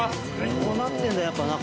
こうなってるんだやっぱ中。